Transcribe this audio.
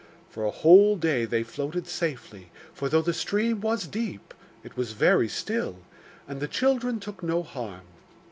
'For a whole day they floated safely, for though the stream was deep it was very still, and the children took no harm.